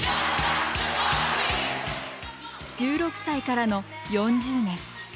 １６歳からの４０年。